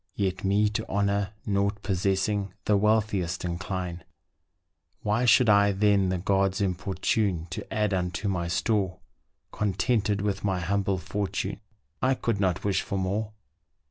Yet me to honour, nought possessing The wealthiest incline; Why should I then the gods importune To add unto my store, Contented with my humble fortune I could not wish for more.